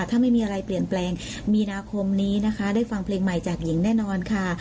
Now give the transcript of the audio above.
ถ้าไม่มีอะไรเปลี่ยนแปลงมีนาคมนี้นะคะได้ฟังเพลงใหม่จากหญิงแน่นอนค่ะ